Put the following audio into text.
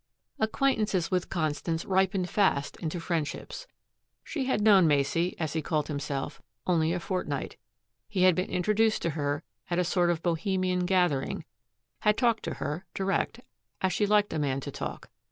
Acquaintances with Constance ripened fast into friendships. She had known Macey, as he called himself, only a fortnight. He had been introduced to her at a sort of Bohemian gathering, had talked to her, direct, as she liked a man to talk.